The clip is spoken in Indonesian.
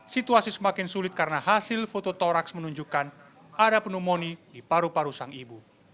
situasi semakin sulit karena hasil foto toraks menunjukkan ada pneumonia di paru paru sang ibu